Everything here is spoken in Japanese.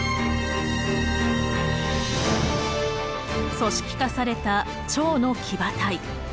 組織化された趙の騎馬隊。